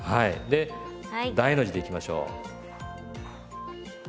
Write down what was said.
で大の字でいきましょう。